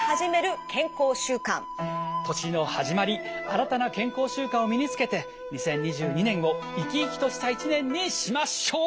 新たな健康習慣を身につけて２０２２年を生き生きとした一年にしましょう！